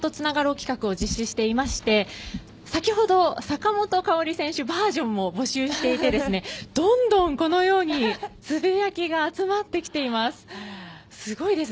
企画を実施していまして先ほど坂本花織選手バージョンも募集していてどんどんこのようにつぶやきが集まってきています。